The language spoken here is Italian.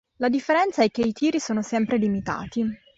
La differenza è che i tiri sono sempre limitati.